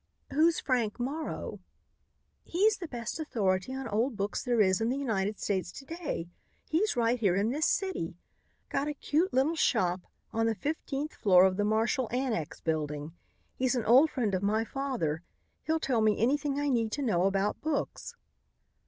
"Who's Frank Morrow?" "He's the best authority on old books there is in the United States to day. He's right here in this city. Got a cute little shop on the fifteenth floor of the Marshal Annex building. He's an old friend of my father. He'll tell me anything I need to know about books."